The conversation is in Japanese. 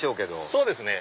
そうですね。